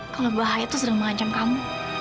kalau bahaya terus udah mengajam kamu